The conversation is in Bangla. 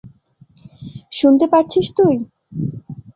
শুনতে পারছিস তুই?